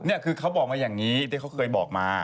เนี่ยคือเค้าบอกมาอย่างนี้ที่เค้าเคยบอกมา